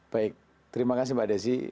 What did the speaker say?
baik terima kasih mbak desi